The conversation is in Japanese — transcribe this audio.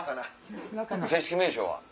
正式名称は？